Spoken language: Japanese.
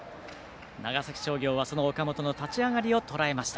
長崎商業は、その岡本の立ち上がりをとらえました。